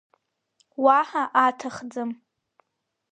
Уаҳа аҭахӡам.